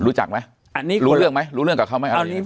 รู้จักไหมอันนี้รู้เรื่องไหมรู้เรื่องกับเขาไหมอันนี้